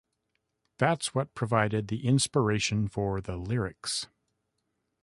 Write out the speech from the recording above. That's what provided the inspiration for the lyrics.